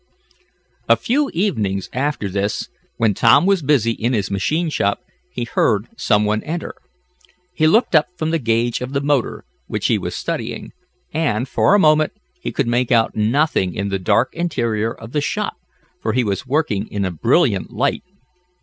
A few evenings after this, when Tom was busy in his machine shop, he heard some one enter. He looked up from the gauge of the motor, which he was studying, and, for a moment, he could make out nothing in the dark interior of the shop, for he was working in a brilliant light.